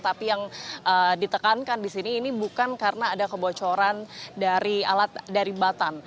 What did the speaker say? tapi yang ditekankan di sini ini bukan karena ada kebocoran dari batan